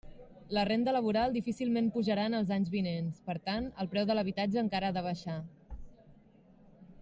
La renda laboral difícilment pujarà en els anys vinents; per tant, el preu de l'habitatge encara ha de baixar.